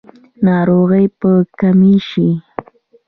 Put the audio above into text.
ناروغۍ به کمې شي؟